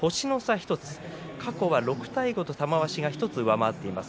１つ過去は６対５と玉鷲が１つ上回っています。